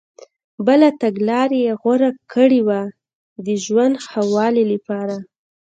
بله تګلارې یې غوره کړي وای د ژوند ښه والي لپاره.